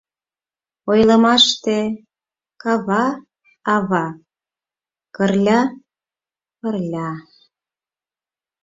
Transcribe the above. Ойлымаште... кава — ава, Кырля — пырля...